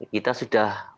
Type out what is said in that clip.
kita sudah menetapkan